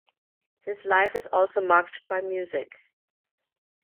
His life is also marked by music.